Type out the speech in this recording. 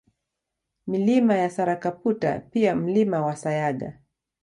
Milima ya Sarakaputa pia Mlima wa Sayaga